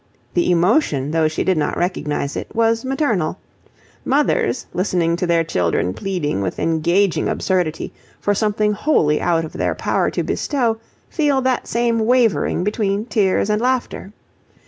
The emotion, though she did not recognize it, was maternal. Mothers, listening to their children pleading with engaging absurdity for something wholly out of their power to bestow, feel that same wavering between tears and laughter.